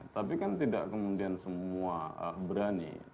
tapi kan tidak kemudian semua berani